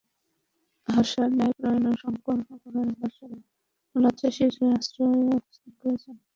হাবশার ন্যায়পরায়ন ও সৎকর্মপরায়ন বাদশা নাজ্জাশীর আশ্রয়ে তারা অবস্থান করলেন।